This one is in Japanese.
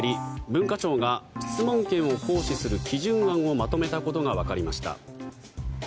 文化庁が質問権を行使する基準案をまとめたことがわかりました。